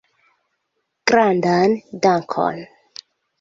Grandan dankon!